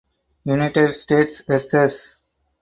United States vs.